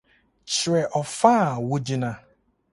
Kyerɛ ɔfã a wugyina!